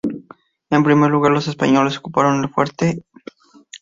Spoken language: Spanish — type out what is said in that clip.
En primer lugar, los españoles ocuparon el fuerte St.